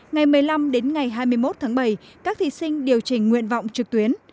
ngày một mươi năm đến ngày hai mươi một tháng bảy các thí sinh điều chỉnh nguyện vọng trực tuyến